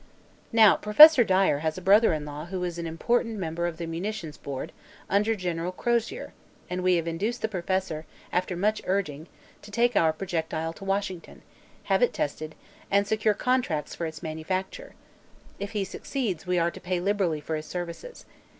"Now, Professor Dyer has a brother in law who is an important member of the munitions board, under General Crozier, and we have induced the professor, after much urging, to take our projectile to Washington, have it tested, and secure contracts for its manufacture. If he succeeds, we are to pay liberally for his services.